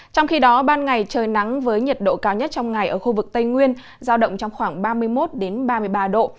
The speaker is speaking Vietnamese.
trong khi đó ban ngày trời nắng với nhiệt độ cao nhất trong ngày ở khu vực tây nguyên giao động trong khoảng ba mươi một ba mươi ba độ